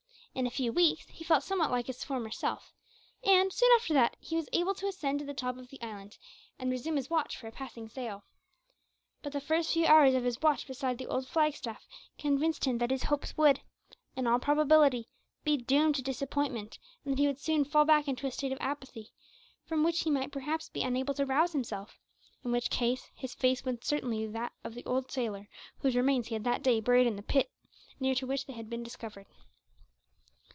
In a few weeks he felt somewhat like his former self, and soon after that, he was able to ascend to the top of the island, and resume his watch for a passing sail. But the first few hours of his watch beside the old flagstaff convinced him that his hopes would, in all probability, be doomed to disappointment, and that he would soon fall back into a state of apathy, from which he might perhaps be unable to rouse himself, in which case his fate would certainly be that of the poor sailor whose remains he had that day buried in the pit near to which they had been discovered.